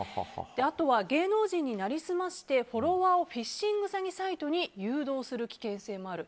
あとは芸能人に成り済ましてフォロワーをフィッシング詐欺サイトに誘導する危険性もある。